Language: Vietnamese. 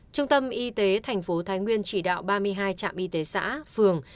trung tâm y tế thành phố thái nguyên chỉ đạo ba mươi hai trạm y tế xã phường